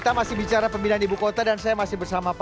terima kasih uspasan indonesia